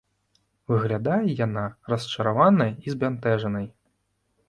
Выглядае яна расчараванай і збянтэжанай.